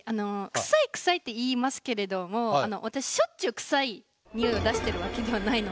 臭い臭いって言いますけれども私しょっちゅう臭いニオイを出してるわけではないので。